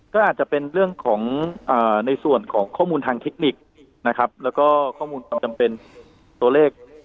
ก็อาจจะเป็นเรื่องของในส่วนของข้อมูลทางเทคนิคนะครับแล้วก็ข้อมูลความจำเป็นตัวเลข